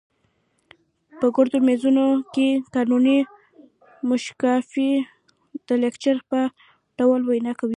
په ګردو میزونو کې قانوني موشګافۍ د لیکچر په ډول وینا کوي.